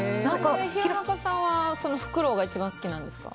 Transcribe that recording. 廣中さんはフクロウが一番好きなんですか？